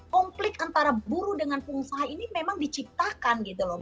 konflik antara buruh dengan pengusaha ini memang diciptakan gitu loh